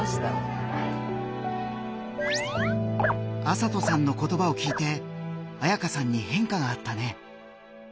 麻斗さんの言葉を聞いてあやかさんに変化があったね。